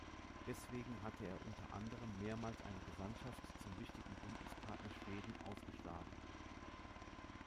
Deswegen hatte er unter anderem mehrmals eine Gesandtschaft zum wichtigen Bündnispartner Schweden ausgeschlagen.